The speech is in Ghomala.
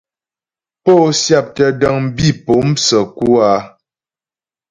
Pó syáptə́ dəŋ bi pó səkú a ?